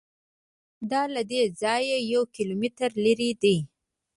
دا له دې ځایه یو کیلومتر لرې دی.